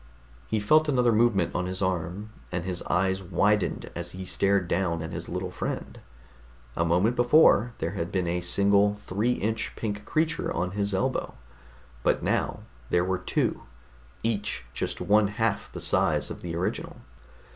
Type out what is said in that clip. He felt another movement on his arm, and his eyes widened as he stared down at his little friend. A moment before, there had been a single three inch pink creature on his elbow. But now there were two, each just one half the size of the original.